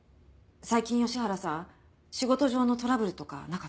最近吉原さん仕事上のトラブルとかなかった？